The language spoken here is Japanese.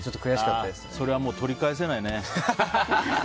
それはもう取り返せないね。